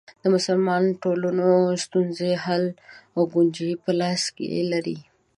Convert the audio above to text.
د مسلمانو ټولنو ستونزو حل کونجي په لاس کې لري.